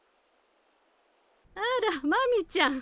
あら真美ちゃん。